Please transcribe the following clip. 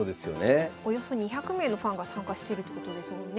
およそ２００名のファンが参加してるってことですもんね。